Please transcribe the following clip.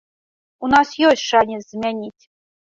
У нас ёсць шанец змяніць.